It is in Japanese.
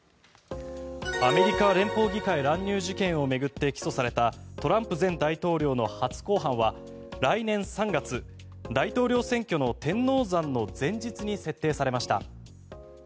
アメリカ連邦議会乱入事件を巡って起訴されたトランプ前大統領の初公判は来年３月大統領選挙の天王山の前日に設定されました。